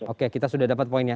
oke kita sudah dapat poinnya